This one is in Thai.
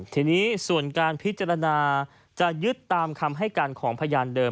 ทีนี้ส่วนการพิจารณาจะยึดตามคำให้การของพยานเดิม